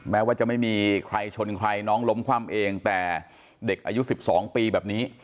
แม้ว่าจะไม่มีใครชนใครน้องล้มคว่ำเองแต่เด็กอายุ๑๒ปีแบบนี้